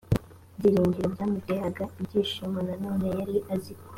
byiringiro byamuteraga ibyishimo nanone yari azi ko